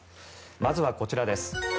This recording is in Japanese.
まずはこちらです。